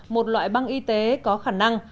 một loại băng y tế có khả năng